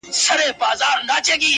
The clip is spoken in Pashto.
د ګرداب خولې ته کښتۍ سوه برابره!!